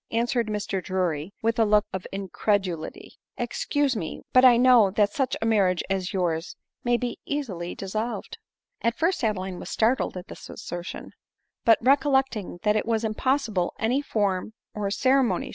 answered Mr Drury with a look of incredulity. " Excuse me, but I know that such marriages as yours may be easily dissolved." At first Adeline was startled at this assertion ; but recollecting that it was impossible any form or ceremony ADELINE MOWBRAY.